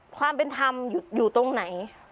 ความเป็นธรรมอยู่ตรงไหน